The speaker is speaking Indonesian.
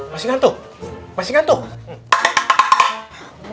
masih ngantuk masih ngantuk